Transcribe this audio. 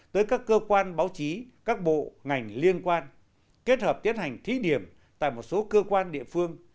tới các cơ quan báo chí các bộ ngành liên quan kết hợp tiến hành thí điểm tại một số cơ quan địa phương